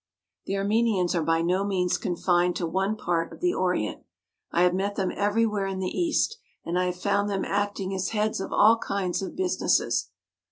The Armenians are by no means confined to one part of the Orient. I have met them everywhere in the East and I have found them acting as heads of all kinds of businesses.